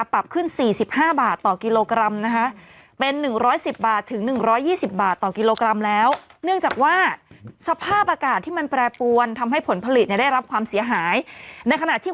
ผมก็ชอบเอาตรงผมก็ไม่ชอบไปดูคยตี้